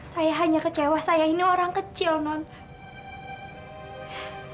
saya hanya kecewa saya ini orang kecil non